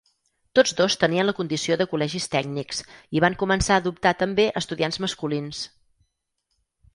Tots dos tenien la condició de col·legis tècnics i van començar a adoptar també estudiants masculins.